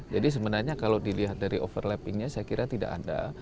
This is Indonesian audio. jadi sebenarnya kalau dilihat dari overlappingnya saya kira tidak ada